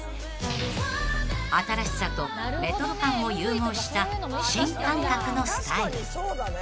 ［新しさとレトロ感を融合した新感覚のスタイル］